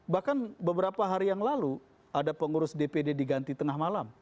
bahkan beberapa hari yang lalu ada pengurus dpd diganti tengah malam